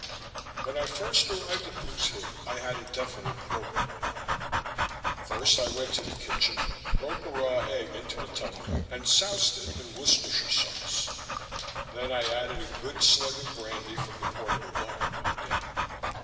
When I first arrived at Pook's Hill I had a definite program in mind. First, I went to the kitchen, broke a raw egg into a tumbler and soused it in Worchester sauce. Then I added a good slug of brandy from the portable bar in my den.